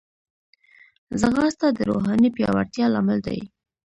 ځغاسته د روحاني پیاوړتیا لامل دی